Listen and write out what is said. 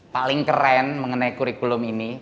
paling keren mengenai kurikulum ini